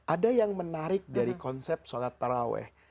ada yang menarik dari konsep sholat taraweh